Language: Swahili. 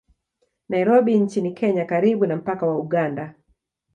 Nairobi nchini Kenya karibu na mpaka wa Uganda